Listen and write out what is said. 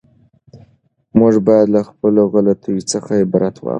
موږ باید له خپلو غلطیو څخه عبرت واخلو.